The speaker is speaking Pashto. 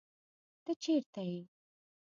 ته چرته یې؟